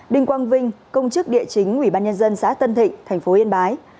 đình quang vinh công chức địa chính ủy ban nhân dân xã tân thịnh tp yên bái